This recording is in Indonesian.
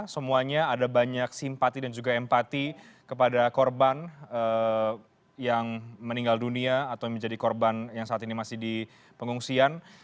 semuanya ada banyak simpati dan juga empati kepada korban yang meninggal dunia atau menjadi korban yang saat ini masih di pengungsian